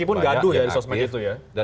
meskipun gaduh dari sosmed itu ya